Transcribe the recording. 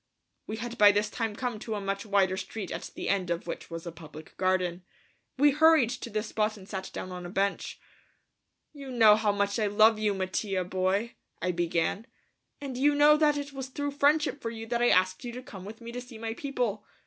We had by this time come to a much wider street at the end of which was a public garden. We hurried to this spot and sat down on a bench. "You know how much I love you, Mattia boy," I began, "and you know that it was through friendship for you that I asked you to come with me to see my people.